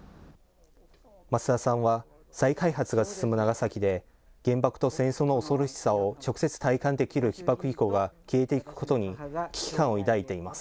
松田さんは再開発が進む長崎で、原爆と戦争の恐ろしさを直接体感できる被爆遺構が消えていくことに危機感を抱いています。